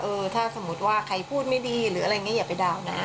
ถ้าสมมุติว่าใครพูดไม่ดีหรืออะไรอย่างนี้อย่าไปเดานะ